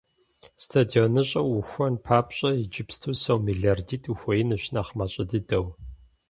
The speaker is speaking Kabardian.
СтадионыщӀэ уухуэн папщӀэ иджыпсту сом мелардитӀ ухуеинущ, нэхъ мащӀэ дыдэу.